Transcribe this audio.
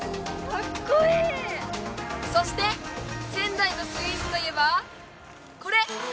そして仙台のスイーツといえばこれ！